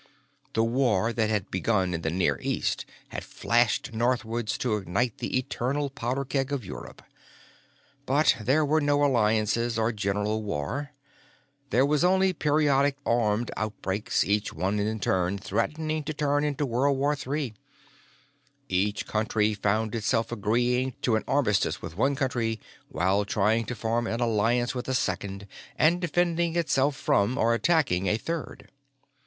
The war that had begun in the Near East had flashed northwards to ignite the eternal Powder Keg of Europe. But there were no alliances, no general war; there were only periodic armed outbreaks, each one in turn threatening to turn into World War III. Each country found itself agreeing to an armistice with one country while trying to form an alliance with a second and defending itself from or attacking a third.